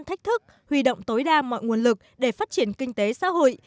thách thức huy động tối đa mọi nguồn lực để phát triển kinh tế xã hội